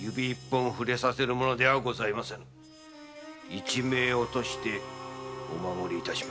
一命を賭してお守り致します。